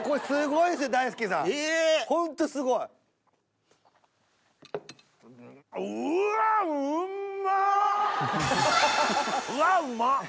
すごいな。